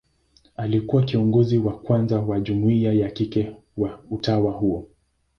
Alikuwa kiongozi wa kwanza wa jumuia ya kike wa utawa huo.